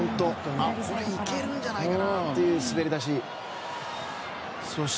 いけるんじゃないかなっていう滑り出し。